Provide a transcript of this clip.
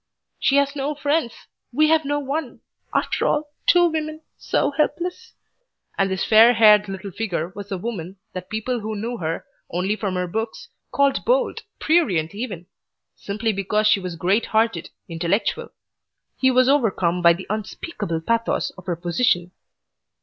"She has no friends. We have no one. After all Two women. So helpless." And this fair haired little figure was the woman that people who knew her only from her books, called bold, prurient even! Simply because she was great hearted intellectual. He was overcome by the unspeakable pathos of her position.